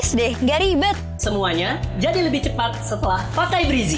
semuanya jadi lebih cepat setelah pakai brizi